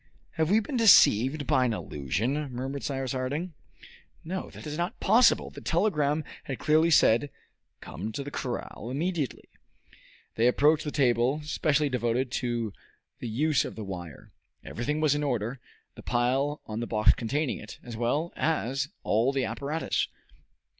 "Have we been deceived by an illusion?" murmured Cyrus Harding. No! that was not possible! The telegram had clearly said, "Come to the corral immediately." They approached the table specially devoted to the use of the wire. Everything was in order the pile on the box containing it, as well as all the apparatus.